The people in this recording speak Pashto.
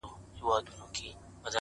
o زړه مي را خوري؛